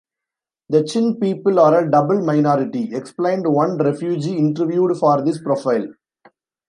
"The Chin people are a double minority" explained one refugee interviewed for this profile.